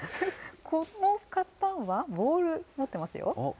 この方はボール持ってますよ。